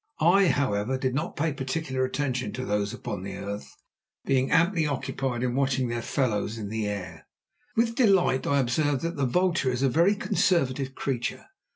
I, however, did not pay particular attention to those upon the earth, being amply occupied in watching their fellows in the air. With delight I observed that the vulture is a very conservative creature.